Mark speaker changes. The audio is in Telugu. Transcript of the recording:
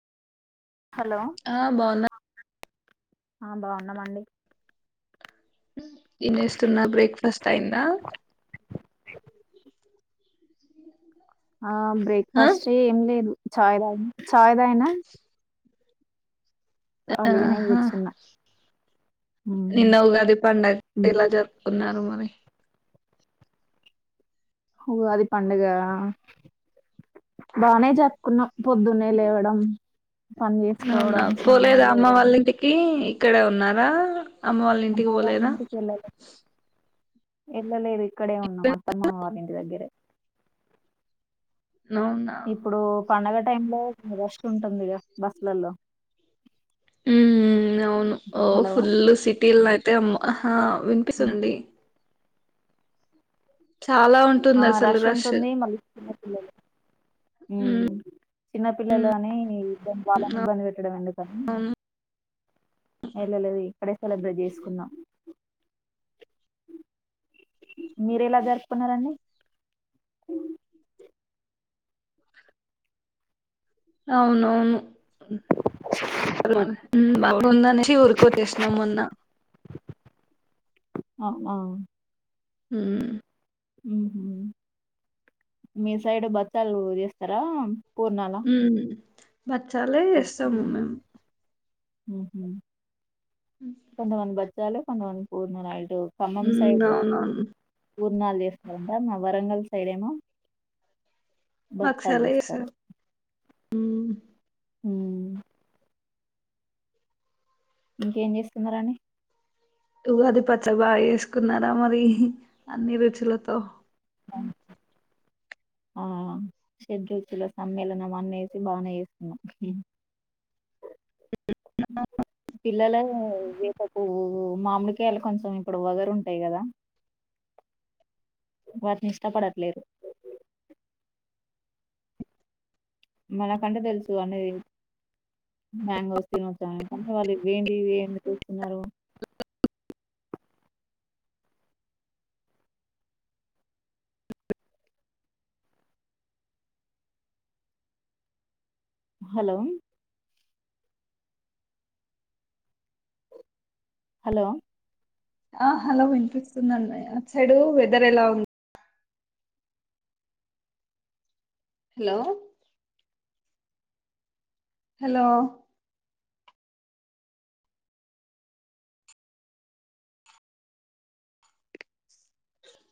Speaker 1: హలో
Speaker 2: ఆ బాగున్నా
Speaker 1: ఆ బాగున్నామండి
Speaker 2: ఇన్నేస్తున్నా బ్రేక్ఫాస్ట్ అయిందా
Speaker 1: ఆ
Speaker 2: ఆ
Speaker 1: బ్రేక్ఫాస్ట్ ఏం లేదు చాయి దాగీనా చాయ్ దాగిన
Speaker 2: ఆహా
Speaker 1: కూర్చున్నా
Speaker 2: నిన్న ఉగాది పండుగ ఏలా
Speaker 1: బ్రేక్
Speaker 2: జరుపుకున్నారు. మరి
Speaker 1: ఉగాది పండుగ బానే జరుపుకున్నాం. పొద్దున్నే లేవడం పని
Speaker 2: అవునా
Speaker 1: చేసుకోవడం
Speaker 2: పోలేద
Speaker 1: స్నానాలు
Speaker 2: అమ్మ
Speaker 1: చేయడం
Speaker 2: వాళ్ళ ఇంటికి ఇక్కడే ఉన్నారా అమ్మ వాళ్ళ ఇంటికి పోలేదా
Speaker 1: ఏళ్ళలేదు. ఇక్కడే ఉన్నాం అత్తమ్మ వాల్ల ఇంటి దగ్గరే
Speaker 2: అవునా
Speaker 1: ఇప్పుడు పండగ టైం లో రష్ ఉంటుందిగా బస్సులల్లో
Speaker 2: హ్ హ్ అవును ఓ
Speaker 1: హలో
Speaker 2: ఫుల్లు సిటీల్లో అయితే అమ్మ ఆహా వినిపిస్తుందండి. ఉంటుంది
Speaker 1: ఆ
Speaker 2: అసలు
Speaker 1: రష్ ఉంటుంది మళ్ళ చిన్న పిల్లలు
Speaker 2: ఉమ్
Speaker 1: చిన్నపిల్లలు అని నీ దాని చాలానే ఇబ్బంది పెట్టడం ఎందుకని
Speaker 2: అవును
Speaker 1: వెళ్ళలేదు ఇక్కడే సెలబ్రేట్ చేసుకున్నాం మీరు ఎలా జరుపుకున్నారండి
Speaker 2: అవునవును ఉమ్ బొందనేసి ఊరికొచ్చేసినాం మొన్న
Speaker 1: అవునా
Speaker 2: హమ్
Speaker 1: ఉహుమ్ మీ సైడ్ బత్తాలు చేస్తారా పూర్ణాల
Speaker 2: హమ్ బచ్చాలే చేస్తాము మేము
Speaker 1: ఉహుమ్ కొంత మంది బద్ చాల పంగాల్ పూర్ణ రా
Speaker 2: ఉమ్ అవునవును
Speaker 1: పూర్నాలు చేస్తారంట మా వరంగల్ సైడ్ ఏమో బచ్చాలు
Speaker 2: బచ్చలు
Speaker 1: చేస్తారు
Speaker 2: చేస్తారా హమ్
Speaker 1: హమ్ ఇంకేం చేస్తున్నా రాండి
Speaker 2: ఉగాది పచ్చడి బాగా వేసుకున్నారా మరి అన్ని రుచులతో
Speaker 1: ఆ షెడ్రుచ్చులతో సమ్మేళనం అనేసి బాగానే చేస్తున్నాం పిల్లలు ఏ ఉ మామిడికాయలు కొంచెం ఇప్పుడు వగరు ఉంటాయి కదా వాటిని ఇష్టపడట్లేరు మనకంటే తెలుసు అనేది మ్యాంగోస్ తినోచ్చా ఎందుకంటే వాళ్ళు ఏంటివి ఏమి చేస్తున్నారు హలో హలో
Speaker 2: ఆ హలో వినిపిస్తుందిండి అటు సైడు వెదర్ ఎలా ఉంది హలో హలో